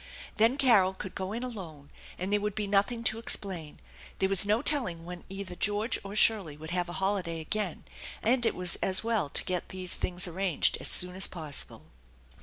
Then Carol could go in alone, and there would be nothing to ex plain. There was no telling when either George or Shirley would have a holiday again, and it was as well to get these things arranged as soon as possible.